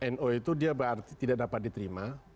no itu dia berarti tidak dapat diterima